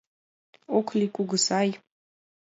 Ок лий, кугызай...